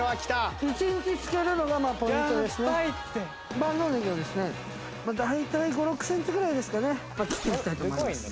万能ねぎをですね大体５６センチぐらいですかね切っていきたいと思います。